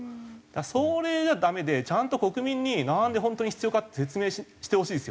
それじゃダメでちゃんと国民になんで本当に必要かって説明してほしいですよね。